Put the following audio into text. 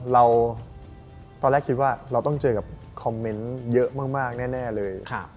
ตอนแรกคิดว่าเราต้องเจอกับคอมเมนต์เยอะมากแน่เลย